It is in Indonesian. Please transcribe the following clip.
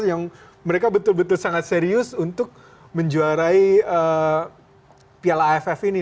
yang mereka betul betul sangat serius untuk menjuarai piala aff ini